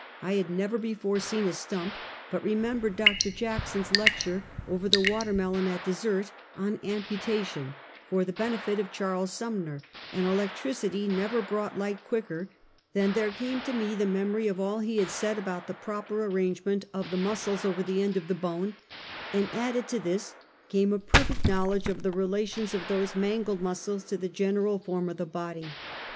I had never before seen a stump, but remembered Dr. Jackson's lecture over the watermellon at desert, on amputation, for the bene fit of Charles Sumner; and electricity never brought light quicker than there came to me the memory of all Find Wokk. 245 he had said about the proper arrangement of the mus cles over the end of the bone; and added to this, came a perfect knowledge of the relations of those mangled muscles to the general form of the body.